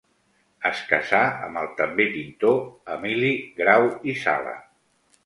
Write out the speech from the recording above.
Es casà amb el també pintor Emili Grau i Sala.